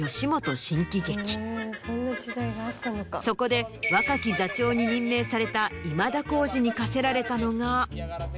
そこで若き座長に任命された。